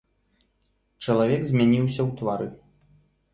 Чалавек змяніўся ў твары.